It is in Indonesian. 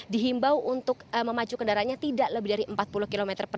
dihimbau untuk memacu kendaraannya tidak lebih dari empat puluh km